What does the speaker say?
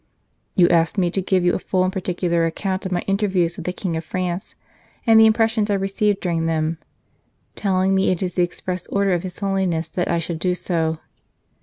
" You ask me to give you a full and particular account of my interviews with the King of France, and the impressions I received during them, telling me it is the express order of His Holiness that I should do so.